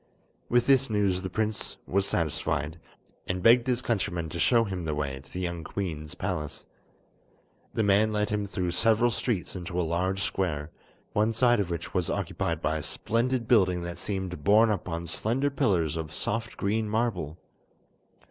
With this news the prince was satisfied, and begged his countryman to show him the way to the young queen's palace. The man led him through several streets into a large square, one side of which was occupied by a splendid building that seemed borne up on slender pillars of soft green marble.